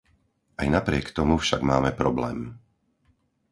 Aj napriek tomu však máme problém.